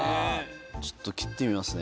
ちょっと切ってみますね。